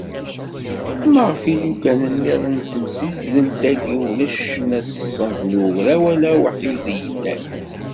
Ma ɣef yilugan-nniḍen n temsizzelt-agi, ulac ccna s ṣṣenf n ugraw, ala awḥid i yellan.